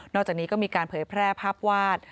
จากนี้ก็มีการเผยแพร่ภาพวาด